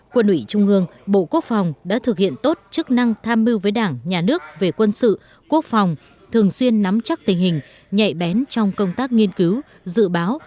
quân ủy trung ương bộ quốc phòng đã thực hiện tốt chức năng tham mưu với đảng nhà nước về quân sự quốc phòng thường xuyên nắm chắc tình hình nhạy bén trong công tác nghiên cứu dự báo